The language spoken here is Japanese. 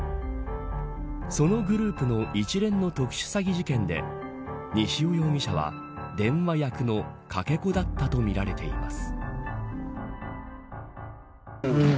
そのグループの一連の特殊詐欺事件で西尾容疑者は電話役のかけ子だったとみられています。